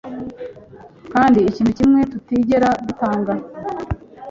kandi ikintu kimwe tutigera dutanga